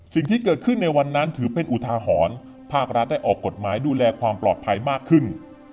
สิ่งที่เกิดขึ้นในวันนั้นถือเป็นอุทาหรณ์ภาครัฐได้ออกกฎหมายดูแลความปลอดภัยมากขึ้น